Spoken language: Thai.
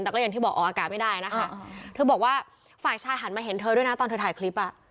แต่ก็อย่างที่บอกออกอากาศไม่ได้นะคะเธอบอกว่าฝ่ายชายหันมาเห็นเธอด้วยนะตอนเธอถ่ายคลิปอ่ะ